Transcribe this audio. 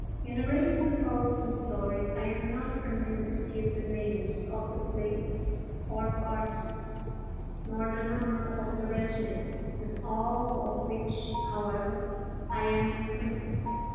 In narrating the following story, I am not permitted to give the names of the place or parties, nor the number of the regiment, with all of which, however, I am acquainted.